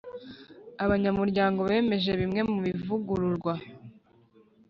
abanyamuryango bemeje bimwe mu bivugururwa